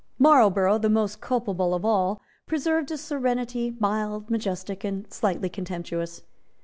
Marlborough, the most culpable of all, preserved a serenity, mild, majestic and slightly contemptuous.